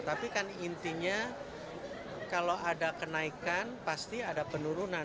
tapi kan intinya kalau ada kenaikan pasti ada penurunan